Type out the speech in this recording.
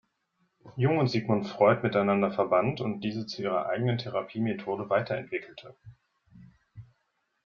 Jung und Sigmund Freud miteinander verband und diese zu ihrer eigenen Therapiemethode weiterentwickelte.